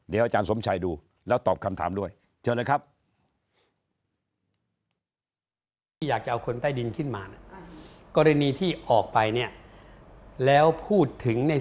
เดี๋ยวอาจารย์สมชัยดูแล้วตอบคำถามด้วยเชิญนะครับ